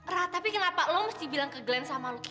rah tapi kenapa lo mesti bilang ke glenn sama luka